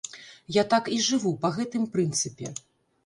Я так і жыву, па гэтым прынцыпе.